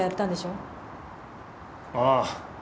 ああ。